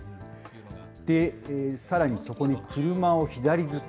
さらにそこに車を左づけ、